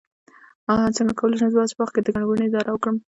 څنګه کولی شم د حج په وخت کې د ګڼې ګوڼې اداره کړم